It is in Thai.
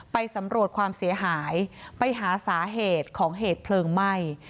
ไปสำรวจความเสียหายไปหาสาเหตุของเหตุเพลิงไหม้